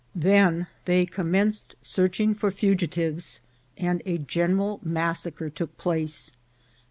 Then they commen ced searching for fugitives, and a general massacre took place.